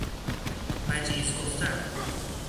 مجیز گفتن